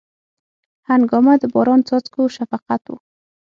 هنګامه د باران څاڅکو شفقت و